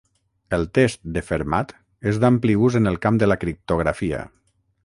El test de Fermat és d'ampli ús en el camp de la criptografia.